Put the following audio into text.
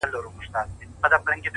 ته به د خوب په جزيره كي گراني ،